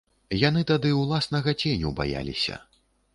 Яны тады ўласнага ценю баяліся.